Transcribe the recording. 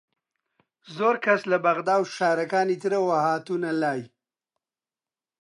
زۆر کەس لە بەغدا و شارەکانی ترەوە هاتوونە لای